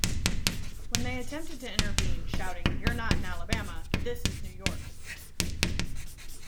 When they attempted to intervene, shouting, You're not in Alabama...this is New York!